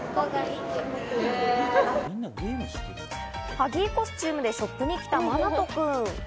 ハギーコスチュームでショップに来た、まなとくん。